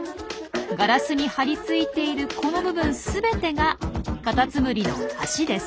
ガラスに張り付いているこの部分全てがカタツムリの足です。